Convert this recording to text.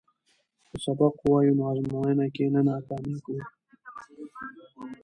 که سبق ووایو نو ازموینه کې نه ناکامیږو.